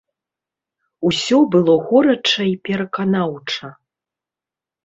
Усё было горача і пераканаўча.